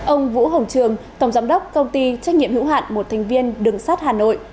ông vũ hồng trường tổng giám đốc công ty trách nhiệm hữu hạn một thành viên đường sắt hà nội